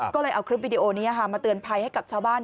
ก็เลยเอาคลิปวิดีโอนี้มาเตือนภัยให้กับชาวบ้าน